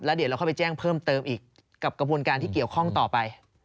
เดี๋ยวเราค่อยไปแจ้งเพิ่มเติมอีกกับกระบวนการที่เกี่ยวข้องต่อไป